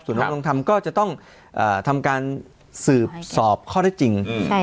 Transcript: ศูนย์นำลงทำก็จะต้องอ่าทำการสืบสอบข้อได้จริงใช่